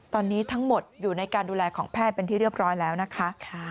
ตอนนี้ทั้งหมดอยู่ในการดูแลของแพทย์เป็นที่เรียบร้อยแล้วนะคะ